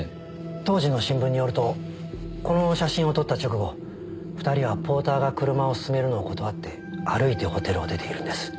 当時の新聞によるとこの写真を撮った直後２人はポーターが車を勧めるのを断って歩いてホテルを出ているんです。